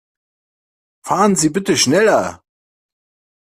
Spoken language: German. Fahren Sie bitte schneller.